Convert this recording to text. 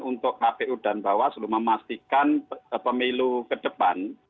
untuk kpu dan bawah selu memastikan pemilu ke depan